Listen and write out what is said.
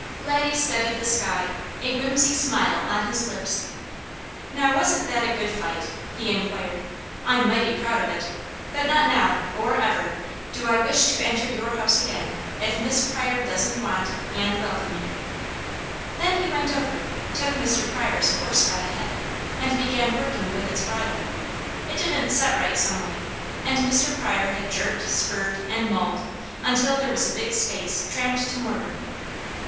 Laddie studied the sky, a whimsy smile on his lips. "Now wasn't that a good fight?" he inquired. "I'm mighty proud of it! But not now, or ever, do I wish to enter your house again, if Miss Pryor doesn't want, and welcome me." Then he went over, took Mr. Pryor's horse by the head, and began working with its bridle. It didn't set right some way, and Mr. Pryor had jerked, spurred, and mauled, until there was a big space tramped to mortar.